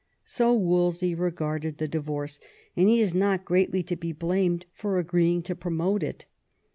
So Wolsey regarded the divorce ; and he is not greatly to be blamed for agreeing to promote it.